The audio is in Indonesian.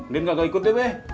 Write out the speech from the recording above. din gak ikut deh